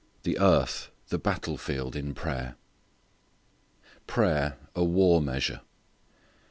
The Earth, the Battle Field in Prayer Prayer a War Measure.